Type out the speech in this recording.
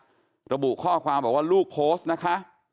ระบุข้อความบอกว่าลูกโพสต์นะคะ